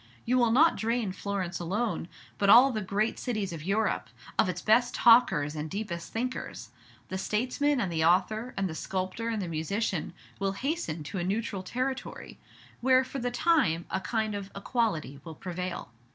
You will not drain Florence alone, but all the great cities of Europe, of its best talkers and deepest thinkers. The statesman and the author, and the sculptor and the musician, will hasten to a neutral territory, where for the time a kind of equality will prevail.